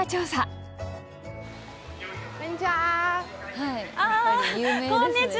ああこんにちは！